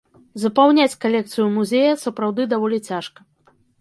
Запаўняць калекцыю музея сапраўды даволі цяжка.